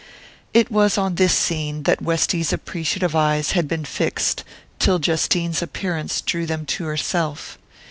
It was on this scene that Westy's appreciative eyes had been fixed till Justine's appearance drew them to herself.